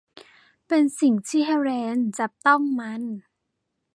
เป็นสิ่งที่เฮเลนจับต้องมัน